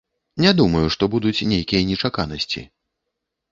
Не думаю, што будуць нейкія нечаканасці.